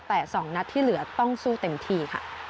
แต่๒นัดที่เหลือต้องสู้เต็มที่ค่ะ